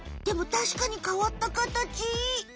でもたしかに変わったかたち。